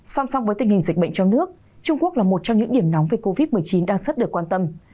song song với tình hình dịch bệnh trong nước trung quốc là một trong những điểm nóng về covid một mươi chín đang rất được quan tâm